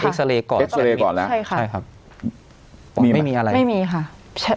ซาเรย์ก่อนเอ็กซาเรย์ก่อนแล้วใช่ค่ะใช่ครับมีไม่มีอะไรไม่มีค่ะใช่